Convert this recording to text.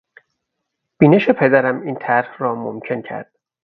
بینش پدرم این طرح را ممکن کرد.